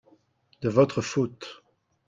de votre faute.